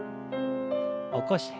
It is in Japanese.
起こして。